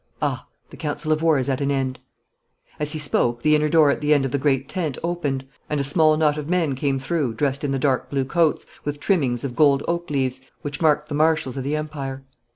Ah, the council of war is at an end.' As he spoke the inner door at the end of the great tent opened, and a small knot of men came through dressed in the dark blue coats, with trimmings of gold oak leaves, which marked the marshals of the Empire.